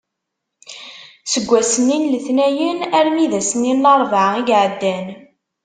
Seg wass-nni n letnayen armi d ass-nni n larebɛa i iɛeddan.